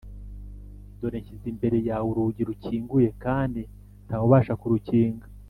,… Dore nshyize imbere yawe urugi rukinguye, kandi nta wubasha kurukinga.’